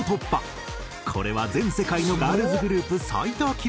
これは全世界のガールズグループ最多記録。